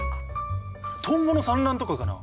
トンボの産卵とかかな？